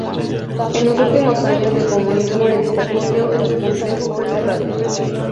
En los últimos años del comunismo el castillo en su complejo fue cerrado.